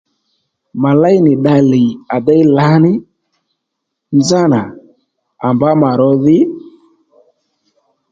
Mà léy nì dda lìy à déy lǎní nzánà à mbǎ mà ró dhi